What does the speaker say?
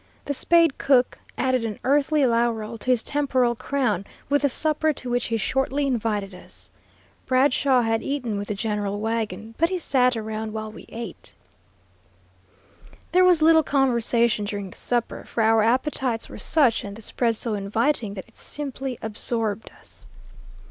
The Spade cook added an earthly laurel to his temporal crown with the supper to which he shortly invited us. Bradshaw had eaten with the general wagon, but he sat around while we ate. There was little conversation during the supper, for our appetites were such and the spread so inviting that it simply absorbed us.